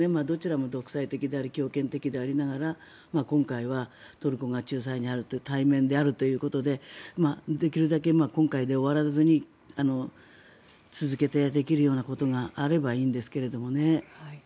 どちらも独裁的であり強権的でありながら今回はトルコが仲裁に入る対面であるということでできるだけ今回で終わらずに続けてできるようなことがあればいいんですけどもね。